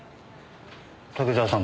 竹沢さん